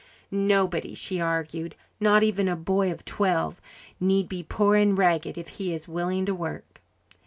Nobody, she argued, not even a boy of twelve, need be poor and ragged if he is willing to work.